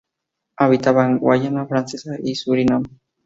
Habita en Guayana Francesa y Surinam.